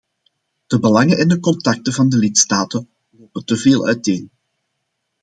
De belangen en de contacten van de lidstaten lopen te veel uiteen.